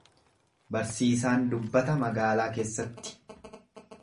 Barsiisaan dubbata magaalaa keessatti.